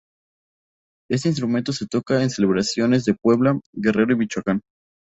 Este instrumento se toca en celebraciones de Puebla, Guerrero y Michoacán.